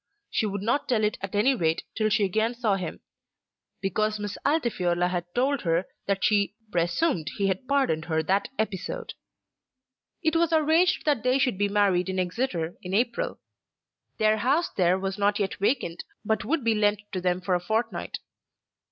She would not tell it at any rate till she again saw him, because Miss Altifiorla had told her that she "presumed he had pardoned her that episode." It was arranged that they should be married at Exeter in April. Their house there was not yet vacant, but would be lent to them for a fortnight.